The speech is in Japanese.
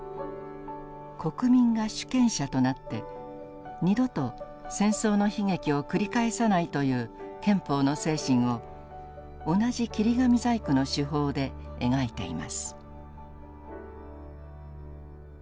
国民が主権者となって二度と戦争の悲劇を繰り返さないという憲法の精神を同じ切り紙細工の手法で描いています。